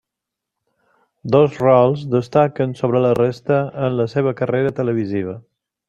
Dos rols destaquen sobre la resta en la seva carrera televisiva.